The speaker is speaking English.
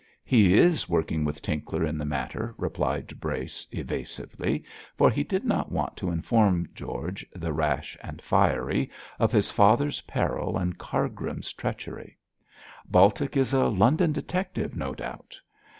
'He is working with Tinkler in the matter,' replied Brace, evasively, for he did not want to inform George, the rash and fiery, of his father's peril and Cargrim's treachery. 'Baltic is a London detective, no doubt?'